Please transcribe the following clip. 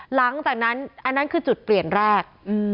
หลังจากนั้นอันนั้นคือจุดเปลี่ยนแรก